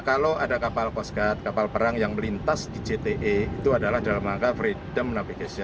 kalau ada kapal poskat kapal perang yang melintas di zee itu adalah dalam angka freedom of navigation